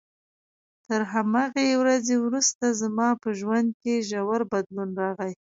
تر همغې ورځې وروسته زما په ژوند کې ژور بدلون راغی.